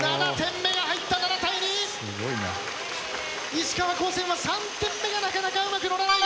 石川高専は３点目がなかなかうまく乗らないが。